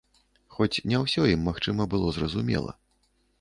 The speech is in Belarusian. Хоць не ўсё ім, магчыма, было зразумела.